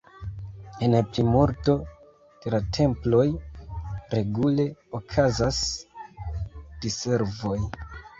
En plimulto de la temploj regule okazas diservoj.